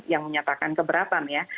yang menyatakan keberatan ya